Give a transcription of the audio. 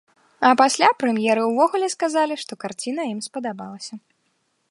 А пасля прэм'еры ўвогуле сказалі, што карціна ім спадабалася.